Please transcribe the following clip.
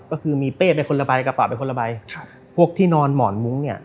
ก็คือมีเป้ไปคนละใบกระเป๋าไปคนละใบครับพวกที่นอนหมอนมุ้งเนี่ย